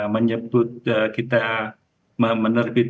menutup parking parking tersebut